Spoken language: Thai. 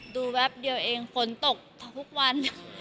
แวบเดียวเองฝนตกทุกวัน